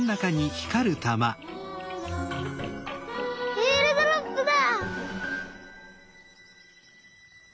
えーるドロップだ！